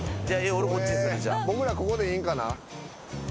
僕らここでいいんかな？